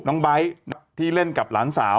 ไบท์ที่เล่นกับหลานสาว